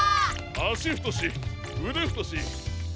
あしふとしうでふとしパピヨ！